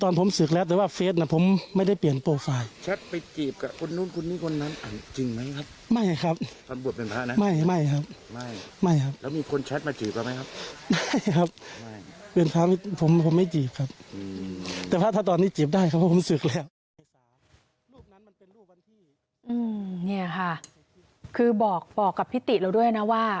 นี่ค่ะคือบอกกับพี่ติเราด้วยนะว่า